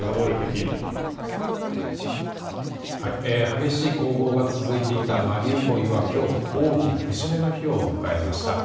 激しい攻防が続いていたマリウポリは今日、大きな節目の日を迎えました。